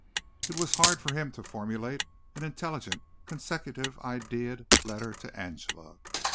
It was hard for him to formulate an intelligent consecutive idea'd letter to Angela.